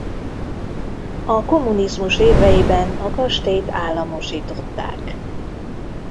A kommunizmus éveiben a kastélyt államosították.